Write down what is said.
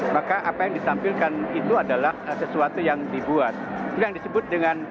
maka apa yang ditampilkan itu adalah sesuatu yang dibuat